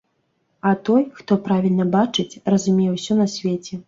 А той, хто правільна бачыць, разумее ўсё на свеце.